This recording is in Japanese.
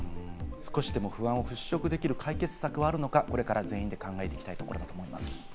少しでも不安を払拭できる解決策はあるのか、これから全員で考えていきたいと思います。